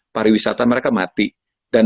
pariwisata mereka mati dan